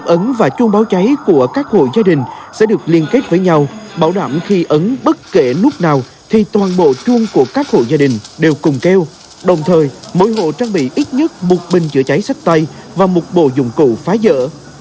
ấn và chuông báo cháy của các hộ gia đình sẽ được liên kết với nhau bảo đảm khi ấn bất kể lúc nào thì toàn bộ chuông của các hộ gia đình đều cùng keo đồng thời mỗi hộ trang bị ít nhất một bình chữa cháy sách tay và một bộ dụng cụ phá rỡ